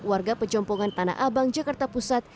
warga pejompongan tanah abang jakarta pusat